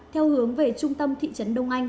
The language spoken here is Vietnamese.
theo hướng về trung tâm thị trấn đông anh